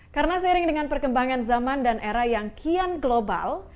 karena seiring dengan perkembangan zaman dan era yang kian global